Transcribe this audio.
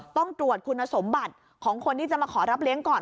ต้องตรวจคุณสมบัติของคนที่จะมาขอรับเลี้ยงก่อน